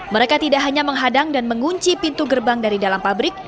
mereka tidak hanya menghadang dan mengunci pintu gerbang dari dalam pabrik